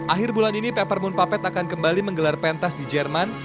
akhir bulan ini peppermint puppet akan kembali menggelar pentas di jerman